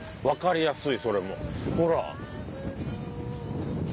わかりやすいそれも。ほら。